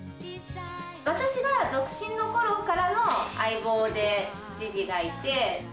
私が独身のころからの相棒でジジがいて。